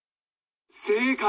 「正解！」。